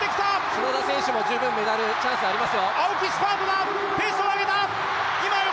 砂田選手も十分ｍメダルチャンスはありますよ。